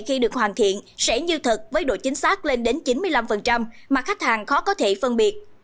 khi được hoàn thiện sẽ như thật với độ chính xác lên đến chín mươi năm mà khách hàng khó có thể phân biệt